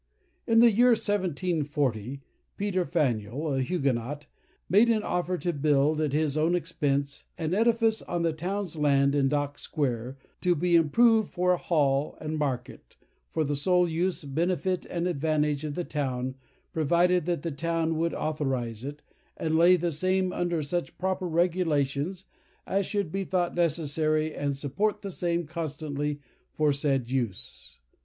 In the year 1740, Peter Faneuil (a Huguenot) made an offer to build, at his own expense, "an edifice on the town's land in Dock Square, to be improved for a hall and market, for the sole use, benefit, and advantage of the town, provided that the town would authorize it, and lay the same under such proper regulations as should be thought necessary, and support the same constantly for said use."